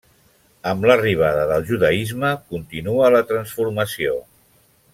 Amb l’arribada del judaisme, continua la transformació.